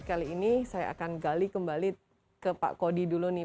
kali ini saya akan gali kembali ke pak kodi dulu nih